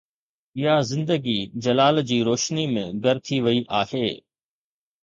يا زندگي جلال جي روشني ۾ گر ٿي وئي آهي؟